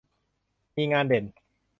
มีงานเด่น